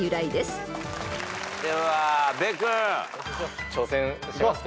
では阿部君。挑戦しますか？